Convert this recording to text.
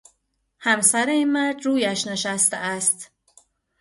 همسر این مرد رویش نشسته است.